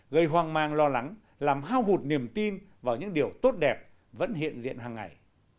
gây hoang mang lo lắng làm hao hụt niềm tin vào những điều tốt đẹp vẫn hiện diện hàng ngày